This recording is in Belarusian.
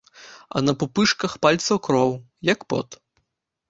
А на пупышках пальцаў кроў, як пот.